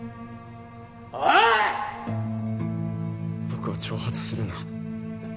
僕を挑発するな。